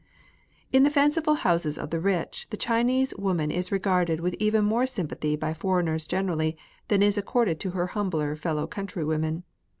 In the fanciful houses of the rich, the Chinese woman is regarded with even more sympathy by foreigners generally than is accorded to her humbler fellow countrywomen.